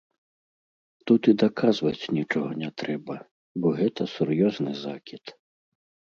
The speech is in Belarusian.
Тут і даказваць нічога не трэба, бо гэта сур'ёзны закід.